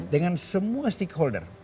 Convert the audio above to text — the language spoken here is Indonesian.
dengan semua stakeholder